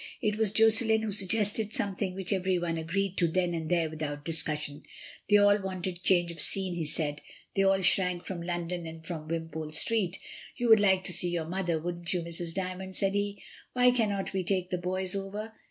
It was Josselin who suggested something which every one agreed to then and there without discussion. They all wanted change of scene, he said; they all shrank 46 MRS. DYMOND. from London and from Wimpole Street "You would like to see your mother, wouldn't you, Mrs. Dy mond?" said he. "Why cannot we take the boys over?"